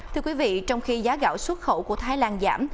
thưa quý vị trong khi giá gạo xuất khẩu của thái lan giảm